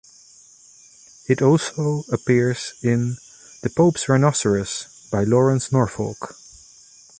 It also appears in "The Pope's Rhinoceros" by Lawrence Norfolk.